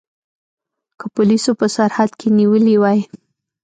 که پولیسو په سرحد کې نیولي وای.